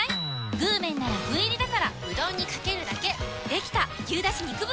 具麺なら具入りだからうどんにかけるだけできた！